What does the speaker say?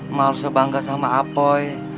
emak harusnya bangga sama apoi